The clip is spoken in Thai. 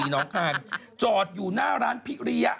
น้องคายจอดอยู่หน้าร้านพิริยะ